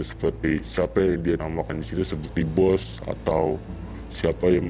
seperti siapa yang dia namakan di situ seperti bos atau siapa yang